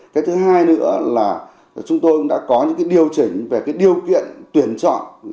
cái thứ hai nữa là chúng tôi đã có những điều chỉnh về cái điều kiện tuyển chọn